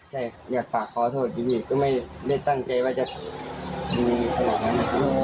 ใช่อยากฝากขอโทษชีวิตก็ไม่ได้ตั้งใจว่าจะมีขนาดนั้น